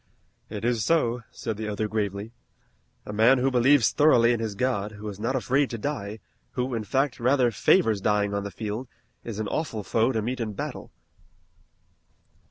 "It is so," said the other gravely. "A man who believes thoroughly in his God, who is not afraid to die, who, in fact, rather favors dying on the field, is an awful foe to meet in battle."